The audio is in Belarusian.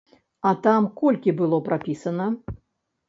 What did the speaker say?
А там колькі было прапісана?